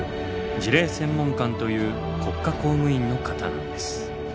辞令専門官という国家公務員の方なんです。